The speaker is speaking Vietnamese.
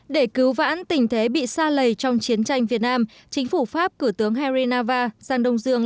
để cứu vãn tình thế bị sa lầy trong chiến tranh việt nam chính phủ pháp cử tướng henri navarre sang đông dương